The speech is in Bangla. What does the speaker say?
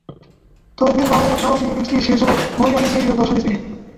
তবে মিসবাহর এমন সাহসী ইনিংসটি শেষ হলো মঈন আলীর নিরীহ দর্শন স্পিনে।